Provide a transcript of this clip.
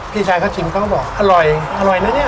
พี่ชายเขาชิมเขาก็บอกอร่อยอร่อยนะเนี่ย